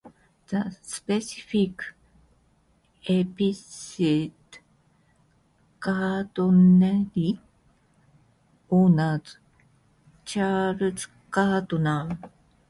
The specific epithet ("gardneri") honours Charles Gardner.